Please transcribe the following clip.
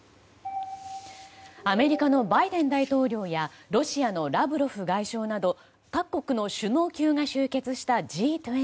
アメリカのバイデン大統領やロシアのラブロフ外相など各国の首脳級が集結したＧ２０。